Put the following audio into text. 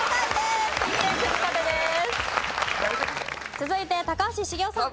続いて高橋茂雄さん。